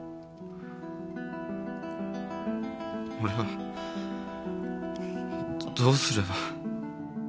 俺はどうすれば。